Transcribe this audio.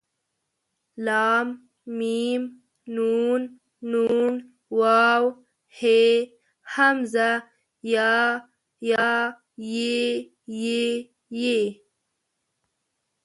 ل م ن ڼ و ه ء ی ي ې ۍ ئ